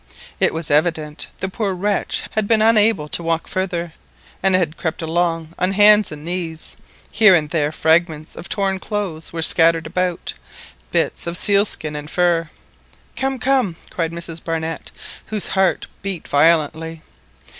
It was evident the poor wretch had been unable to walk farther, and had crept along on hands and knees; here and there fragments of torn clothes were scattered about, bits of sealskin and fur. "Come, come," cried Mrs Barnett, whose heart beat violently.